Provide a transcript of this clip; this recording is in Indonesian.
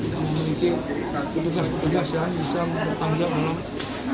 jadi petugas petugas yang bisa bertanggung jawab